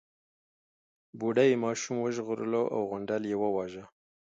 بوډۍ ماشوم وژغورلو او غونډل يې وواژه.